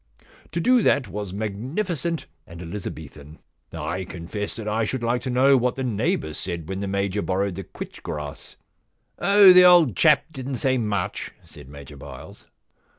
To do that was magnificent and Elizabethan. I confess that I should like to know what the neighbour said when the Major borrowed the quitch grass.* * Oh, the old chap didn*t say much,' said Major Byles.